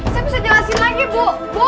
saya bisa jelasin lagi bu